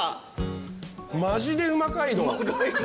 マジでうま街道。